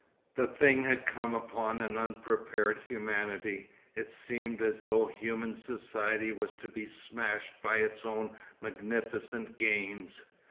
The thing had come upon an unprepared humanity; it seemed as though human society was to be smashed by its own magnificent gains.